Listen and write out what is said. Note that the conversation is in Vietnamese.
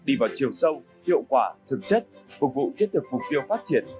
đi vào chiều sâu hiệu quả thực chất phục vụ kết thúc mục tiêu phát triển